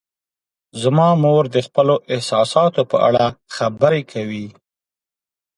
زما مور د خپلو احساساتو په اړه خبرې کوي.